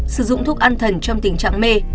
sử dụng thuốc ăn thần trong tình trạng mê